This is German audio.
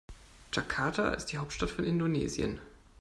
Jakarta ist die Hauptstadt von Indonesien.